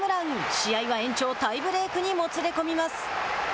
試合は延長タイブレークにもつれ込みます。